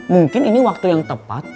mungkin ini waktu yang tepat